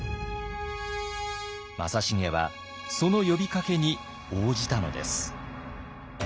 正成はその呼びかけに応じたのです。